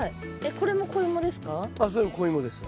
これも子イモですか？